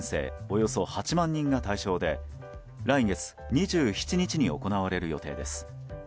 およそ８万人が対象で来月２７日に行われる予定です。